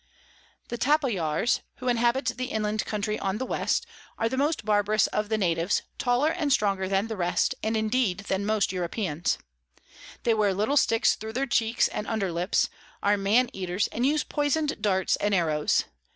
The Tapoyars, who inhabit the inland Country on the West, are the most barbarous of the Natives, taller and stronger than the rest, and indeed than most Europeans. They wear little Sticks thro their Cheeks and Under Lips, are Maneaters, and use poison'd Darts and Arrows.